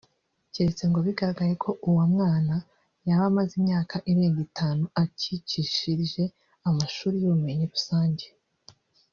keretse ngo bigaragaye ko uwa mwana yaba amaze imyaka irenga itanu acikishirije amashuri y’ubumenyi rusange